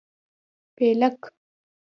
🦃 پېلک